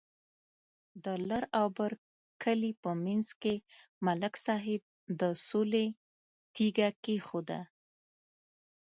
د لر او بر کلي په منځ کې ملک صاحب د سولې تیگه کېښوده.